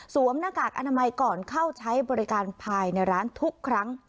หน้ากากอนามัยก่อนเข้าใช้บริการภายในร้านทุกครั้ง